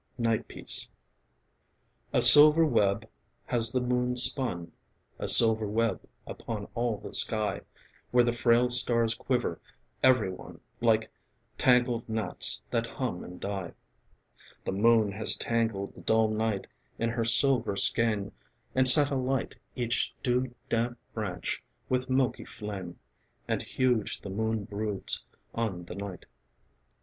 NIGHT PIECE A silver web has the moon spun, A silver web upon all the sky, Where the frail stars quiver, every one Like tangled gnats that hum and die. The moon has tangled the dull night In her silver skein and set alight Each dew damp branch with milky flame. And huge the moon broods on the night.